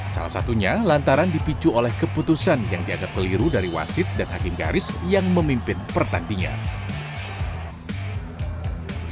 salah satunya lantaran dipicu oleh keputusan yang dianggap keliru dari wasit dan hakim garis yang memimpin pertandingan